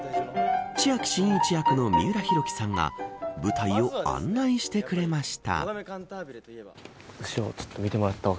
千秋真一役の三浦宏規さんが舞台を案内してくれました。